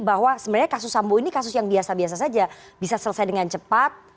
bahwa sebenarnya kasus sambo ini kasus yang biasa biasa saja bisa selesai dengan cepat